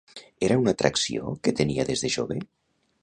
Era una atracció que tenia des de jove?